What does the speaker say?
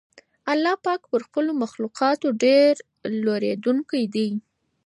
الله پاک پر خپلو مخلوقاتو ډېر لورېدونکی دی.